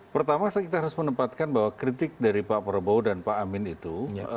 pertama saya kita harus menempatkan bahwa kritik dari pak prabowo dan pak amin itu